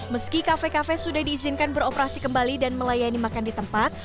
meski kafe kafe sudah diizinkan beroperasi kembali dan melayani makan di tempat